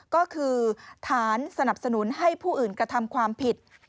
ก็คือฐานสนับสนุนให้ผู้อื่นกระทำความผิด